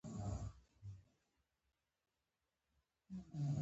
نن بزرګه مياشت رادبره شوې ده.